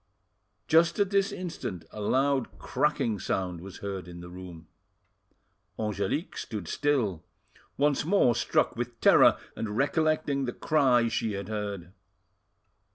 Just at this instant a loud cracking sound was heard in the room. Angelique stood still, once more struck with terror, and recollecting the cry she had heard.